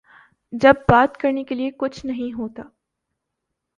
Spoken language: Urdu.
جب بات کرنے کیلئے کچھ نہیں ہوتا۔